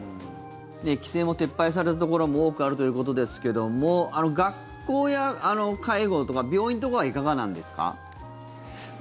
規制も撤廃されたところも多くあるということですけども学校や介護とか病院とかはいかがなんですか？